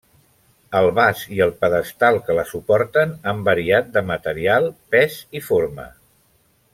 El vas i el pedestal que la suporten han variat de material, pes i forma.